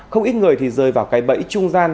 không ít người thì rơi vào cái bẫy trung gian